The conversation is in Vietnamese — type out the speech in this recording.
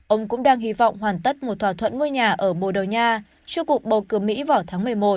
ông cũng đang hy vọng hoàn tất một thỏa thuận ngôi nhà ở bồ đào nha trước cuộc bầu cử mỹ vào tháng một mươi một